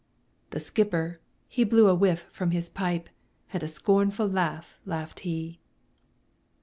The skipper, he blew a whiff from his pipe, And a scornful laugh laughed he.